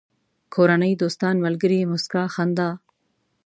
کورنۍ، دوستان، ملگري، موسکا، خندا